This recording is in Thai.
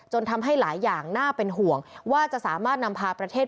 ทำให้หลายอย่างน่าเป็นห่วงว่าจะสามารถนำพาประเทศ